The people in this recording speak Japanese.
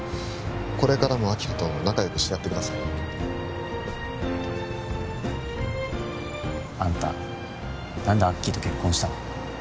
これからも明葉と仲良くしてやってくださいあんた何でアッキーと結婚したの？